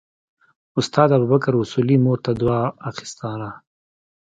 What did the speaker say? استاد ابوبکر اصولي مور ته دوا اخیستله.